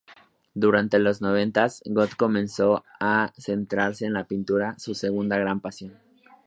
Durante los noventas, Gott comenzó a centrarse en la pintura, su segunda gran pasión.